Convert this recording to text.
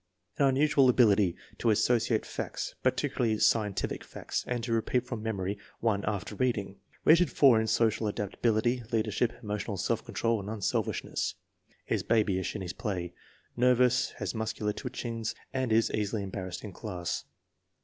An unusual ability to associate facts, particularly scientific facts, and to repeat from memory after one reading. Rated 4 in social adapta bility, leadership, emotional self control and unselfish ness. Is babyish in his play. Nervous; has muscular twitchings and is easily embarrassed in class.